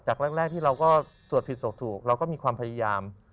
แรกที่เราก็สวดผิดสวดถูกเราก็มีความพยายาม